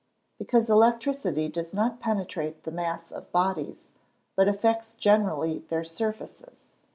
_ Because electricity does not penetrate the masses of bodies, but affects generally their surfaces.